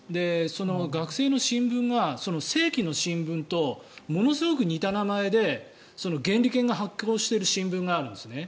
学生の新聞が正規の新聞とものすごく似た名前で原理研が発行している新聞があるんですね。